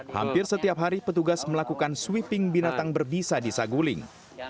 hampir setiap hari petugas melakukan sweeping binatang berbisa di saguling